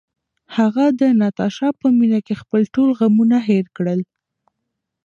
هغه د ناتاشا په مینه کې خپل ټول غمونه هېر کړل.